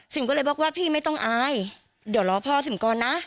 ก็เลยบอกว่าพี่ไม่ต้องอายเดี๋ยวรอพ่อสิมก่อนนะ